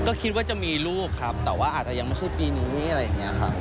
ก็คิดว่าจะมีลูกครับแต่ว่าอาจจะยังไม่ใช่ปีนี้อะไรอย่างนี้ครับ